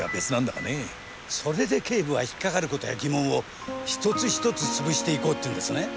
それで警部は引っかかる事や疑問を１つ１つ潰していこうっていうんですね？